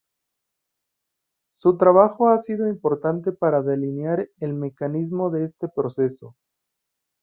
Su trabajo ha sido importante para delinear el mecanismo de este proceso.